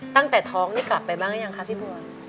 ตั้งแต่ท้องนี่กลับไปบ้างหรือยังคะพี่บัว